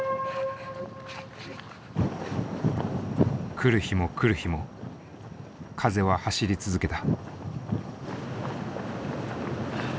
来る日来る日も風は走り続けた。